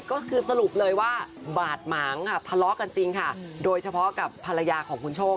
ก็คือสรุปเลยว่าบาดหมางค่ะทะเลาะกันจริงค่ะโดยเฉพาะกับภรรยาของคุณโชค